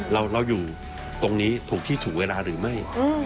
เราอยู่ตรงนี้ถูกที่ถูกเวลาหรือไม่